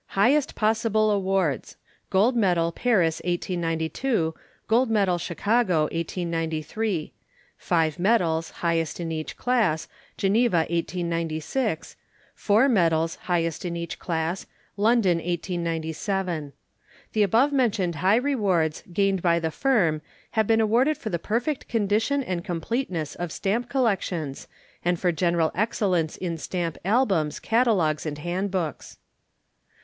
_ HIGHEST POSSIBLE AWARDS. GOLD MEDAL, Paris, 1892. GOLD MEDAL, Chicago, 1893. FIVE MEDALS (Highest in each Class), GENEVA, 1896. FOUR MEDALS (Highest in each Class), LONDON, 1897. The above mentioned high rewards gained by the Firm have been awarded for the perfect condition and completeness of Stamp Collections, and for general excellence in Stamp Albums, Catalogues, and Handbooks.